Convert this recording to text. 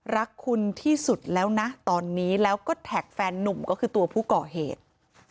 รักคุณที่สุดแล้วนะตอนนี้แล้วก็แท็กแฟนนุ่มก็คือตัวผู้ก่อเหตุ